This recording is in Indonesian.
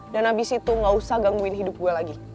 dan abis itu gak usah gangguin hidup gue lagi